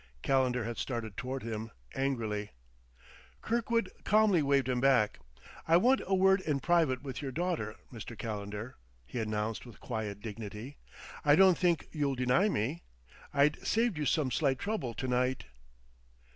Calendar had started toward him angrily. Kirkwood calmly waved him back. "I want a word in private with your daughter, Mr. Calendar," he announced with quiet dignity. "I don't think you'll deny me? I've saved you some slight trouble to night."